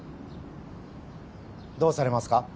どうされますか？